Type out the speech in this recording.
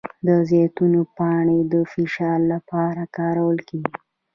د زیتون پاڼې د فشار لپاره کارول کیږي؟